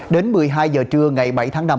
đến một mươi hai giờ trưa ngày bảy tháng năm